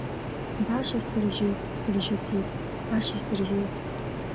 Баша сыржьеит, сыржьаӡеит, баша сыржьеит.